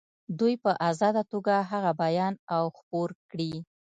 دوی په آزاده توګه هغه بیان او خپور کړي.